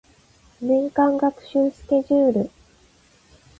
年間学習スケジュール